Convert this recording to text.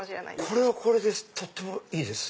これはこれでとってもいいです